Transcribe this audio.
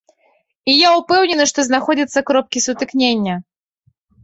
І я ўпэўнены, што знаходзяцца кропкі сутыкнення.